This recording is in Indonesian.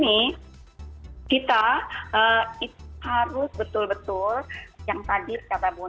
nah ini kita harus betul betul yang tadi kata bu nadia bilang